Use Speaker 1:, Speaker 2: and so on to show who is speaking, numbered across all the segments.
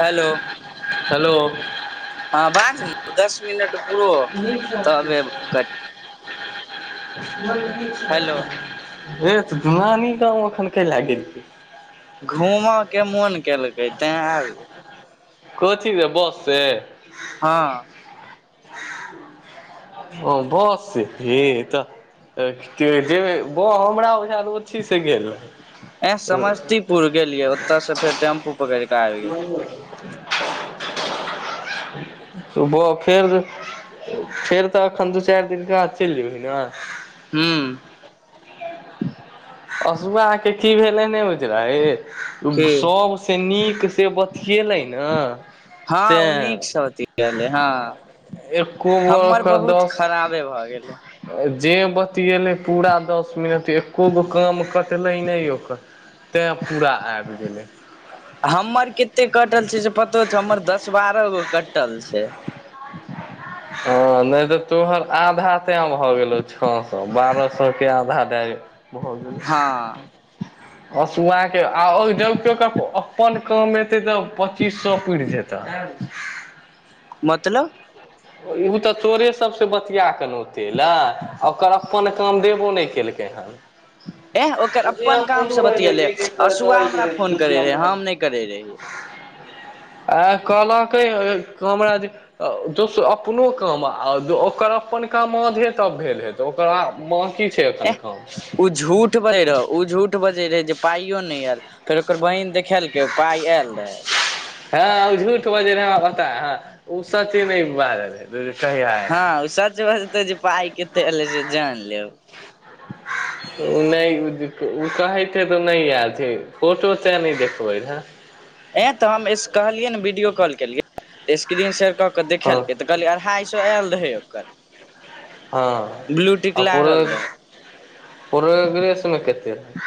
Speaker 1: Hello
Speaker 2: hello
Speaker 1: हँ बाज ने दस मिनट पुरो तबे कट
Speaker 2: मन
Speaker 1: हेलो
Speaker 2: [inaudible] हेत नानी गाँव एखन क लए गेलिए
Speaker 1: घूमऽ के मोन केलकै तें आब
Speaker 2: ह कथी मे बस से
Speaker 1: हँ [inaudible]
Speaker 2: ओ बस छै हे तऽ जेबैय हँ हमरा बुझाएल ओ
Speaker 1: ए समस्तीपुर गेलियै ओतय से फेर टेम्पू पकड़ के आबि
Speaker 2: नहि
Speaker 1: [inaudible]
Speaker 2: सुबह फेर फेर तऽ एखन दू चारि दिननके हाथ चलि जेयबै ने
Speaker 1: हू
Speaker 2: असुआके की भेलै ने बुझलहिं
Speaker 1: की
Speaker 2: सभसँ नीक से बतएलै ने
Speaker 1: हँ ओ
Speaker 2: तें
Speaker 1: नीकसँ अथि कएलै हँ
Speaker 2: एको गो
Speaker 1: हमर
Speaker 2: ओकर
Speaker 1: बहुत
Speaker 2: दस
Speaker 1: खराबे भऽ गेल हे
Speaker 2: जे बतिएले पूरा दस मिनट एको गो काम कटलै नइ ओकर तैं पूरा आबि गेलै
Speaker 1: हमर कते कटल छै से पतो छै हमर दस बारह गो कटल छै [inaudible]
Speaker 2: हँ नहि तऽ तोहर आधा ते भऽ गेलौ छओ सए बारह सए के आधा दए भ गेल
Speaker 1: हँ
Speaker 2: अशुआ के आ जब के ओ अपन काम एतै तब पच्चीस सए पूइर जेतै
Speaker 1: मतलब
Speaker 2: उ तऽ तोरे सब से बत बतिया के ने औते अलइ ओकर अपन काम देबो नहि केलकै हन
Speaker 1: [inaudible] ए ओकर अपन काम से बतियलै अशुआ हमरा फोन करैत रहै हम नहि करैत रहियै
Speaker 2: आ कहलकई हमरा जे अँ दोस् अपनो काम ओकर अपन काम आधै त भेल हे त ओकरा बाकि छै एखन
Speaker 1: एह
Speaker 2: काम
Speaker 1: ओ झूठ भै रहै ओ झूठ बजै रहै जे पाइयो नहि आयल फेर ओकर बहीन देखेलकै पाय आयल रहे
Speaker 2: हँ ओ झूठ बजे रह हमरा पता ह ओ सची नहि बाजल रहे [unintelligible]
Speaker 1: हँ ओ सच बजतै जे पाइ कते एलै से जान लेब
Speaker 2: ओ नहि ओ कहैत हेताउ नहि याद ह फोटो तऽ नहि देखबै रहए
Speaker 1: ए तऽ हम कहलियै ने वीडियो कॉल केलियै त स्क्रीन सेेयर क के
Speaker 2: हँ
Speaker 1: देखेलक त कहलिय अढ़ाई सए आयल रहे
Speaker 2: हँ
Speaker 1: ओकर ब्लूटिक लागल रहे
Speaker 2: प्रोग्रेस मे कते रहै?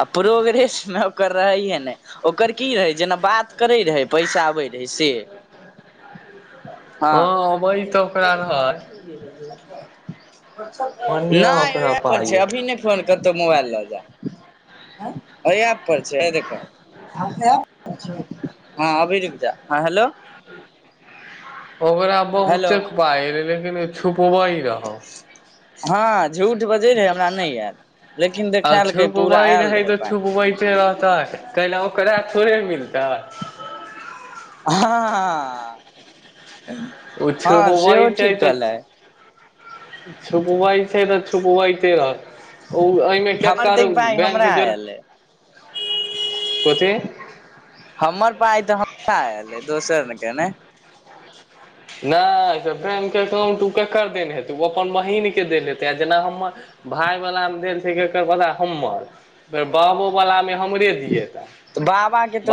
Speaker 1: आ प्रोग्रेस मे ओकर रहैये ने ओकर की रहै जेना बात करै रहै पैसा आबै रहै से
Speaker 2: हँ अबै तऽ ओकरा रहै बढ़िआँ
Speaker 1: नहि
Speaker 2: ओकरा
Speaker 1: उएहप
Speaker 2: पाइ
Speaker 1: छै अभी नहि फोन कतहु मोबाइल लऽ जा औय एप पर छै है देखअ हँ अभि रुक जा हँ हेलो
Speaker 2: ओकरा
Speaker 1: हेलो
Speaker 2: बहुते पाय अलाइ लेकिन ओ छुपब रहो
Speaker 1: हँ झूठ बजे रहे हमरा नहि आयल लेकिन देखेलकै पूरा
Speaker 2: छुपबै
Speaker 1: आयल रहै
Speaker 2: तऽ
Speaker 1: पाइ
Speaker 2: छुपबैते रहतै कैल ओकरा थोड़े मिलतै
Speaker 1: हँ हँ
Speaker 2: ओ
Speaker 1: हँ सेहो ठीक कहलै
Speaker 2: छुपबइ छै त छुपबइते रह ओ एहिमे
Speaker 1: हमर
Speaker 2: केकर
Speaker 1: देख पाइ
Speaker 2: बैंक
Speaker 1: हमरा
Speaker 2: जोर
Speaker 1: आयल अइ
Speaker 2: कथी
Speaker 1: हमर पाइ तऽ हमरा एले दोसर के नइ
Speaker 2: नहि त बैंक अकाउंट ऊ केकर देने हेतै ओ अपन बहिन के देने हेतै आ जेना हमर भाय वला मे देल छै केकर बता हमर बाबो बलामे हमरे जियएतऽ
Speaker 1: तऽ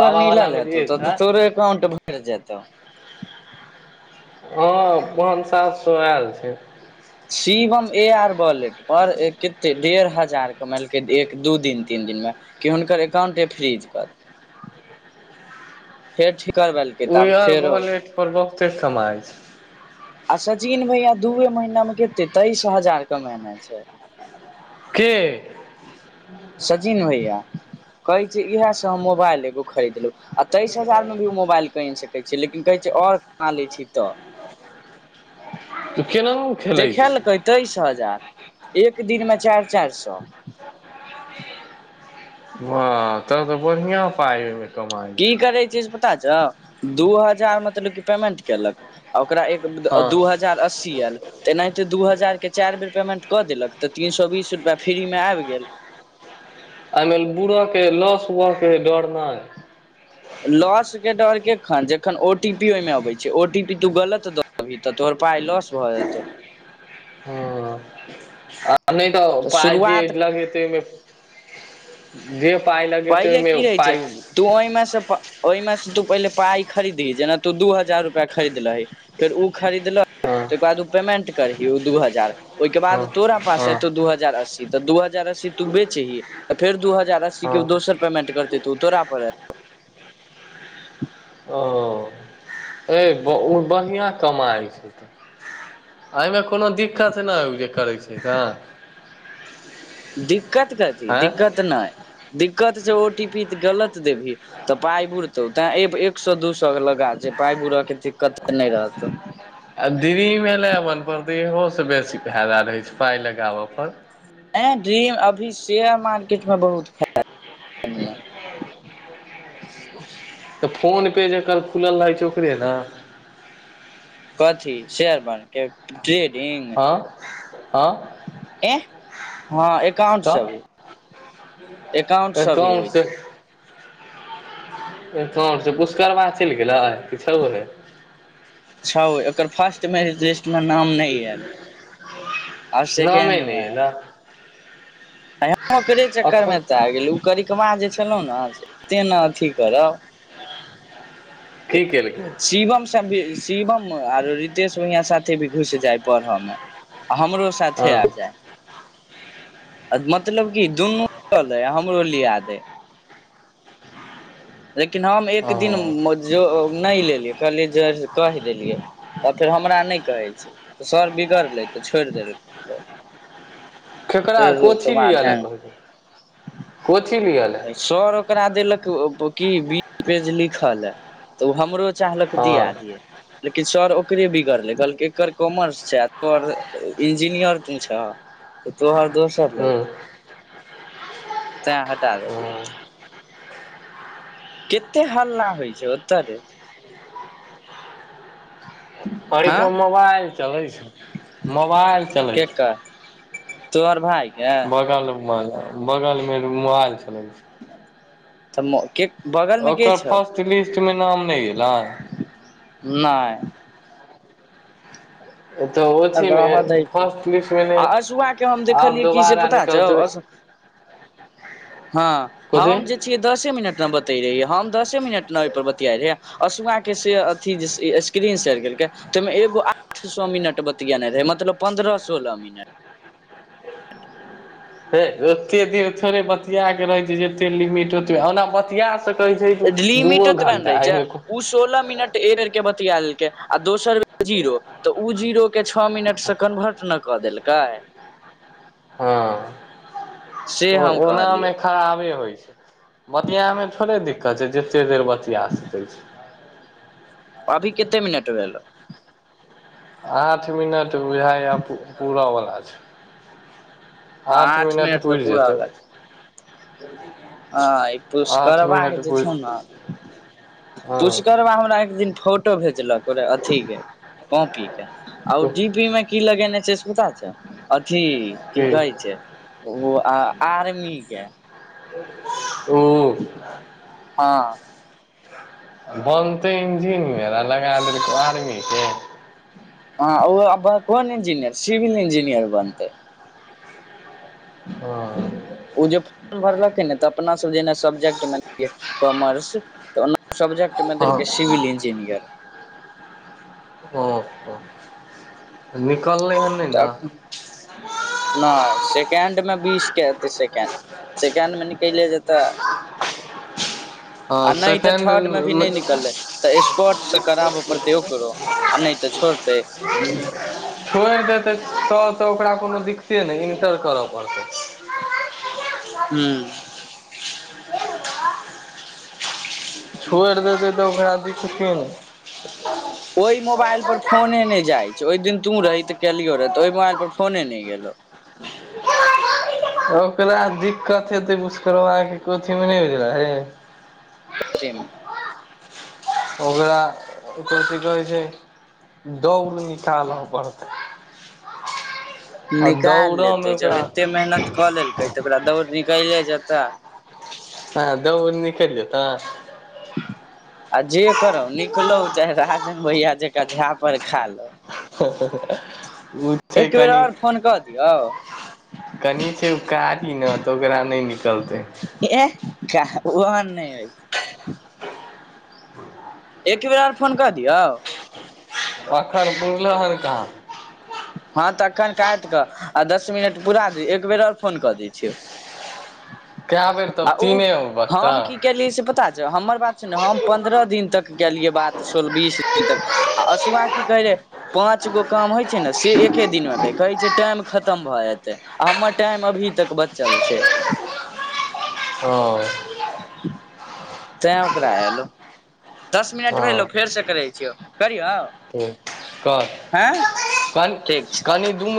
Speaker 2: बाबा वला मे जियएतऽ
Speaker 1: बे अकाउंट भ कर जेताउ
Speaker 2: हँ पान सात सो आयल छै
Speaker 1: सीवम ए आर बॉलेट पर कते डेढ़ हजार कमलके एक दू दिन तीन दिन मे कि हुनकर एकाउंटे फ्रिज क देलकई फेर ठीक करबलके तब आब
Speaker 2: उयर
Speaker 1: फेरो
Speaker 2: वॉलेट पर लोकते कमाय छै
Speaker 1: आ सचिन भैया दूए महीना में केते तेइस हजार कमने छै
Speaker 2: के
Speaker 1: सजिन भइया कहैत छै इएहसँ हम मोबाइल एगो खरीदलहु आ तेइस हजारमे भी ओ मोबाइल किन सकै छी लेकिन कहै छै आओर कमा लै छी तऽ
Speaker 2: त‌ केनाहु खेलै छी
Speaker 1: देखैल कै तेइस हजार एक दिनमे चारि चारि सै
Speaker 2: वाह तब तऽ बढ़िआ पाई
Speaker 1: की करे छै से पता छउ दू हजार मतलब क पेमेंट केलक आ ओकरा एक
Speaker 2: हँ
Speaker 1: दू हजार अस्सी आयल तऽनाहिते दू हजारके चारि बेर पेमेंट कऽ देलक तऽ तीन सए बीस रुपैआ फ्रीमे आबि गेल
Speaker 2: एहिमे बुरऽ के लस हुय के डरनाइ
Speaker 1: लॉस के डर केखन जखन ओ टी पी ओहि में अबे छै ओ टी पी तू गलत द अभी तऽ तोहर पाइ लॉस भऽ जेतौ
Speaker 2: ह नहि तऽ पाई जे लगेतय जे पाइ लगे ते
Speaker 1: पहिले
Speaker 2: ओहिमे
Speaker 1: की रहै छै
Speaker 2: पाइ
Speaker 1: तू हिमे से हिमें से तू पहिले पाई खरीदही जेना तू दू हजार रुपा खरीदलहि फेर ओ खरीदलक
Speaker 2: हँ
Speaker 1: तके बाद ओ पेमेंट करही ओ दू हजार ओहि के
Speaker 2: हँ
Speaker 1: बाद तोरा पास
Speaker 2: हँ
Speaker 1: एतौ दू हजार अस्सी तऽ दू हजार अस्सी तू बेचही त फेर दू हजार अस्सी
Speaker 2: हँ
Speaker 1: के दोसर पेमेंट करते तू तोरा पड़
Speaker 2: ओ ए ओ बढ़िआँ कमाइ छै तऽ एहिमे कोनो दिक्कत नहि जे करै छै त
Speaker 1: दिक्कत कथी
Speaker 2: आँय
Speaker 1: दिक्कत नहि दिक्कत छै ओ टी पी तऽ गलत देबही तऽ पाइ बुुरतौ तें एक सै दू सै लगा दे जे पाइ बुरऽके दिक्कत नहि रहतौ
Speaker 2: आ डिरिम एलेवेन पड़तै इहो से बेसी फायदा रहै छै पाइ लगाबऽ पर
Speaker 1: ए ड्रीम अभी शेयर मार्केट में बहुत
Speaker 2: [inaudible]
Speaker 1: [inaudible]
Speaker 2: तऽ फोन पे जकर खुलल रहै छ ओकरे ने
Speaker 1: कथी शेयर मार्केट टरेडिंग
Speaker 2: हँ हँ
Speaker 1: ए हँ एकाउंट
Speaker 2: तऽ
Speaker 1: सब भी एकाउंट सब भी होइ छै
Speaker 2: छै पुस्करबा चलि गेलै कि छउहे
Speaker 1: छउ एकर फर्स्ट मैच इ मे नाम नहि ऐल
Speaker 2: नामे
Speaker 1: सेकेंड
Speaker 2: नहि
Speaker 1: मे
Speaker 2: एलै
Speaker 1: ऐं यौ ओकरे
Speaker 2: अखन
Speaker 1: चक्करमे एतऽ आ गेलहु ओ करिकबा जे छलहुँ ने से एते ने अथी करउ
Speaker 2: की केलकय
Speaker 1: शिवम भी शिवम आरो रितेश भैया साथी भी घुस जाय पढ़ऽ मे आ हमरो साथे
Speaker 2: हँ
Speaker 1: आ जाय मतलब की दुनू लै हमरो लिया दय है लेकिन हम एक
Speaker 2: हँ
Speaker 1: दिन नहि लेलियै कहलियै जे कहि देलियै तऽ फेर हमरा नहि कहै छै तऽ सर बिगड़लै तऽ छोड़ि देलकै फेर
Speaker 2: केकरा
Speaker 1: ओहिके
Speaker 2: कोथी
Speaker 1: बाद
Speaker 2: लिअल
Speaker 1: हैंग
Speaker 2: कहै छै कोथी लिअले
Speaker 1: सर ओकरा देलक की बीस पेज लिखलै तऽ ओ हमरो चाहलक
Speaker 2: हँ
Speaker 1: दिया दियै लेकिन सर ओकरे बिगड़ले कहलकय एकर कॉमर्स छै तोहर इंजीनियर तू छ त तोहर दोसर
Speaker 2: ह
Speaker 1: लग तै हटा देलके कते हल्ला होइ छै ओतरेय हँ
Speaker 2: अइठम मोबाइल चलै छै मोबाइल चलै
Speaker 1: केकर तोहर भाय के
Speaker 2: छै बगलमे बगल मे मोबाइल चलय छै
Speaker 1: तथ कक [inaudible]
Speaker 2: ओकर फर्स्ट लिस्ट में नाम नहि एलै
Speaker 1: नइ
Speaker 2: तऽ
Speaker 1: आ
Speaker 2: ओथीमे
Speaker 1: रहअ दही के
Speaker 2: फर्स्ट लिस्टमे
Speaker 1: आ
Speaker 2: नहि
Speaker 1: अशुआके हम
Speaker 2: आब
Speaker 1: देखलियै कि से
Speaker 2: दोबारा
Speaker 1: पता छौ
Speaker 2: निकलतै
Speaker 1: अस हाँ
Speaker 2: कथी
Speaker 1: हम जे छिए दसे मिनट न बतै रहियै हम दसे मिनट न ओहिपर बतियाइ रहयै अशुआ के से अथी स्क्रीन सेेयर केलकय त ओहिमे एगो आठ सए मिनट बतिएलकय तियै नय रहे मतलब पन्द्रह सोलह मिनट ट
Speaker 2: हे ओते देर थोड़े बतिया के रहे छै जते लिमिट ओते ओना बतिया सकै छै
Speaker 1: लिमिट
Speaker 2: दूओ
Speaker 1: एतबे ने
Speaker 2: घंटा
Speaker 1: रहे छै
Speaker 2: अहिमे कुन
Speaker 1: उ सोलह मिनट ऐरर के बतिया लेलकै आ दोसर बेर जीरो तऽ ओ जीरो के छौ मिनट से कन्वर्ट न कऽ देलकै
Speaker 2: हँ
Speaker 1: से
Speaker 2: ओ
Speaker 1: हम
Speaker 2: ओनामे
Speaker 1: कहलियै
Speaker 2: खराबे होइ छै बतियामे थोड़े दिक्कत छै जते देर बतिआ सकै छी
Speaker 1: अभी कते मिनट भेलो
Speaker 2: आठ मिनट बुझायै पूरा वला छो
Speaker 1: हँ आठ मिनट तऽ पूरा
Speaker 2: जेतै
Speaker 1: वला छै आंई
Speaker 2: आठ
Speaker 1: पुस्करबा
Speaker 2: मिनट
Speaker 1: जे छौ
Speaker 2: पुरि
Speaker 1: न
Speaker 2: हँ
Speaker 1: पुचकरबा हमरा एक दिन फोटो भेजलकओे रहै अथीके कॉपीे के आ ओ डी पी मे की लगेने छै से पता छौ अथी की कहै छै ओ आ आर्मी के
Speaker 2: ओ
Speaker 1: हाँ
Speaker 2: बनतै इंजिनियर आ लगा देलकै आर्मी के
Speaker 1: हँ ओ अब कोन इंजीनियर सिविल इंजीनियर बनतै
Speaker 2: ओ
Speaker 1: ओ जे फोर्म भरलखिन ने तऽ अपनासभ जेना सब्जेक्टमे कॉमर्स तऽ ओना सबजेक्ट मे देलकै
Speaker 2: हँ
Speaker 1: सिविल इंजिनियर
Speaker 2: ओह ओ निकलै ह नय न
Speaker 1: नय सेकेंड मे बीस के एते सेकेंड सेकेंड मे निकयिले जेत आ
Speaker 2: हँ
Speaker 1: नय तऽ
Speaker 2: सेकेंड
Speaker 1: ठड में भी नय निकललै तऽ स्पॉर्ट से कराबऽ पड़तै ओकरो आ नय तऽ छोड़तै
Speaker 2: छोईड़ देतै तब तऽ ओकरा कोनो दिक्कते नय इन्टर करऽ पड़तै
Speaker 1: हू
Speaker 2: छोईड़ देतै तऽ ओकरा दिखते रह
Speaker 1: ओय मोबाइल पर फोने नय जाय छै ओहि दिन तू रही ते केलियो रहे ते ओय मोबाइल पर फोने नय गेलो
Speaker 2: ओकरा दिक्कत हेते भुषकरबा के कोथी मे नय बुझलहि
Speaker 1: कोथि मे
Speaker 2: ओकरा कोथि कहै छै दौड़ निकालऽ पड़तै आ
Speaker 1: निकाल
Speaker 2: दौड़यमे
Speaker 1: लेते जब एते
Speaker 2: ओकरा
Speaker 1: मेहनत कऽ लेलकै तऽ ओकरा दौड़ निकालै जेता
Speaker 2: हँ दौड़ निकयल लेता
Speaker 1: आ जे करो निकलो चाहे राजन भैया जेका झापड़ खा लौ
Speaker 2: हाँ हाँ ओ छै
Speaker 1: एक बेेर
Speaker 2: कनि
Speaker 1: और फोन कऽ दियौ
Speaker 2: कनि छै उ कारी न तऽ ओकरा नय निकलतै
Speaker 1: एह कहा ओहन नय होइ
Speaker 2: [inaudible]
Speaker 1: एक बेर आऔर फोन कऽ दियौ
Speaker 2: अखन पुरलो हन कहाँ
Speaker 1: हँ तऽ एखन कायिट कऽ आ दस मिनट पुरा द एक बेर और फोन कऽ दै छियौ
Speaker 2: कए बेर तब
Speaker 1: आ ओ
Speaker 2: तीने गो
Speaker 1: हम की
Speaker 2: बत्तख
Speaker 1: केलियै से पता छौ हमर बात छै न हम पन्द्रह दिन तक केलियै बात सोल बीस दिन तक आ असुआ की कहे रहे पाँच गो काम होय छै ने से एके दिनमे रहै कहै छै टाइम खतम भऽ जेतै आ हमर टाइम अभी तक बचल छै
Speaker 2: हँ
Speaker 1: तैं ओकरा एयलौ दस मिनट भेलौ
Speaker 2: हँ
Speaker 1: फेरसँ करै छियौ करियौ
Speaker 2: ठीक कह
Speaker 1: हँ
Speaker 2: कनि
Speaker 1: ठीक छै
Speaker 2: कनि दू